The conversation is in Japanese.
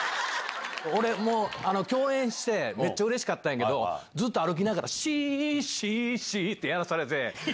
俺、共演して、めっちゃうれしかったんやけど、ずっと歩きながら、ＣＣＣってやらされて。